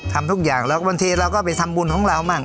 ทำทุกอย่างพวกเราก็ไปทำบุญของเรามั่ง